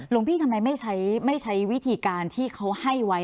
หลวงพี่ทำไมไม่ใช้วิธีการที่เขาให้ไว้